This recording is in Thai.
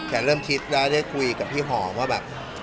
เริ่มคิดแล้วได้คุยกับพี่หอมว่าแบบ